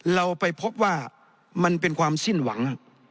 เราไปพบว่ามันเป็นความสิ้นหวัง